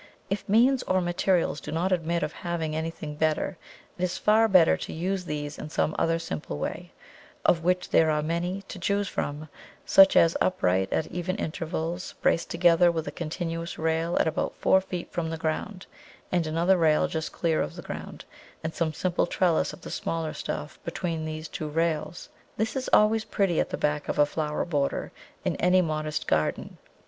If means or materials do not admit of having anything better, it is far better to use these in some other simple way, of which there are many to choose from such as uprights at even intervals, braced together with a continuous rail at about four feet from the ground, and another rail just clear of the ground, and some simple trellis of the smaller stuff between these two rails. This is always pretty at the back of a flower border in any modest garden.